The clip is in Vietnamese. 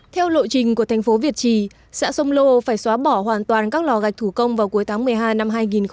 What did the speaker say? theo lộ trình của thành phố việt trì xã sông lô phải xóa bỏ hoàn toàn các lò gạch thủ công vào cuối tháng một mươi hai năm hai nghìn hai mươi